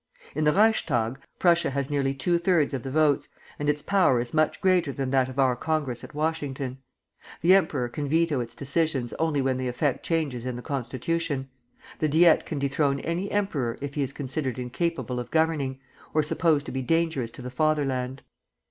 In the Reichstag, Prussia has nearly two thirds of the votes; and its power is much greater than that of our Congress at Washington. The emperor can veto its decisions only when they affect changes in the constitution. The Diet can dethrone any emperor if he is considered incapable of governing, or supposed to be dangerous to the Fatherland.